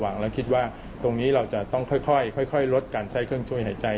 คิดว่าตรงนี้เราจะต้องค่อยลดการใช้เครื่องช่วยหายใจ